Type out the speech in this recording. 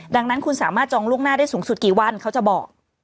ดังนั้นคุณสามารถจองล่วงหน้าได้สูงสุดกี่วันเขาจะบอก